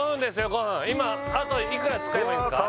５分今あといくら使えばいいんすか？